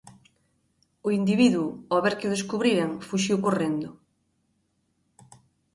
O individuo, ao ver que o descubriran, fuxiu correndo.